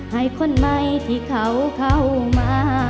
ให้คนใหม่ที่เขาเข้ามา